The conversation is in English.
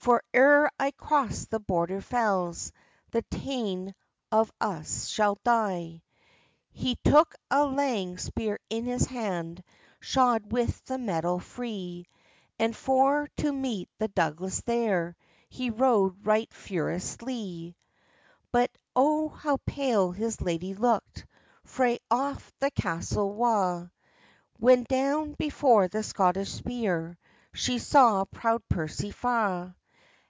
For, ere I cross the Border fells, The tane of us sall die." He took a lang spear in his hand, Shod with the metal free, And for to meet the Douglas there, He rode right furiouslie. But O how pale his lady look'd, Frae aff the castle wa', When down, before the Scottish spear, She saw proud Percy fa'.